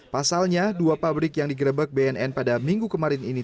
pasalnya dua pabrik yang digerebek bnn pada minggu kemarin ini